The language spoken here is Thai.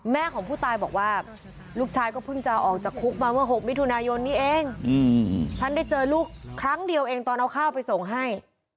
แม่ของผู้ตายบอกว่าลูกชายก็เพิ่งจะออกจากคุกมาเมื่อ๖มิถุนายนนี้เองฉันได้เจอลูกครั้งเดียวเองตอนเอาข้าวไปส่งให้